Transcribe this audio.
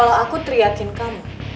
kalo aku teriakin kamu